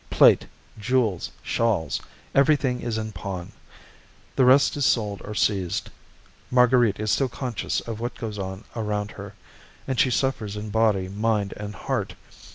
Plate, jewels, shawls, everything is in pawn; the rest is sold or seized. Marguerite is still conscious of what goes on around her, and she suffers in body, mind, and heart.